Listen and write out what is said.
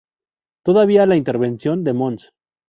Todavía la intervención de mons.